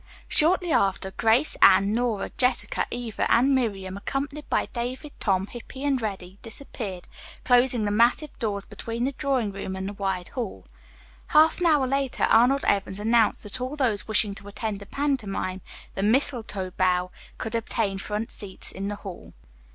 Shortly after, Grace, Anne, Nora, Jessica, Eva and Miriam, accompanied by David, Tom, Hippy and Reddy disappeared, closing the massive doors between the drawing room and the wide hall. Half an hour later Arnold Evans announced that all those wishing to attend the pantomime, "The Mistletoe Bough," could obtain front seats in the hall.